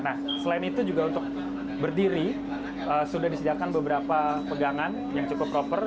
nah selain itu juga untuk berdiri sudah disediakan beberapa pegangan yang cukup proper